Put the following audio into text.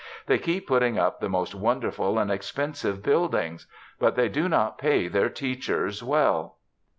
They keep putting up the most wonderful and expensive buildings. But they do not pay their teachers well.